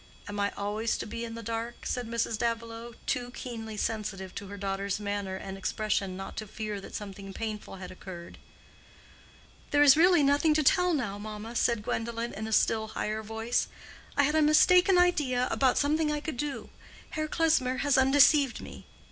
Am I always to be in the dark?" said Mrs. Davilow, too keenly sensitive to her daughter's manner and expression not to fear that something painful had occurred. "There is really nothing to tell now, mamma," said Gwendolen, in a still higher voice. "I had a mistaken idea about something I could do. Herr Klesmer has undeceived me.